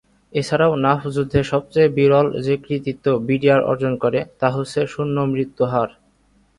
এছাড়াও নাফ যুদ্ধে সবচেয়ে বিরল যে কৃতিত্ব বিডিআর অর্জন করে, তা হচ্ছে শূন্য মৃত্যুহার।